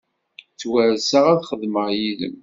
Ttwarseɣ ad xedmeɣ yid-m.